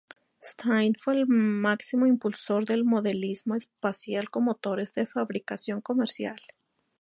Stine fue el máximo impulsor del modelismo espacial con motores de fabricación comercial.